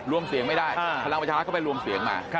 รวมไม่ได้พลังประชารัฐก็ไปรวมเสียงมา